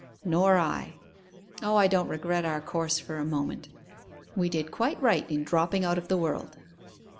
'Nor I. O, I don't regret our course for a moment. We did quite right in dropping out of the world.